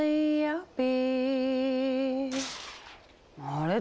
あれ？